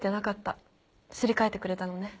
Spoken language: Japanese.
すり替えてくれたのね。